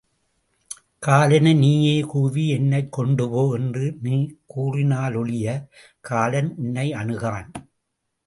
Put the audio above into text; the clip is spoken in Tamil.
காலனை நீயே கூவி என்னைக் கொண்டுபோ என்று நீ கூறினாலொழிய காலன் உன்னே அனுகான்.